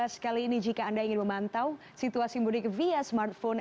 sekali ini jika anda ingin memantau situasi mudik via smartphone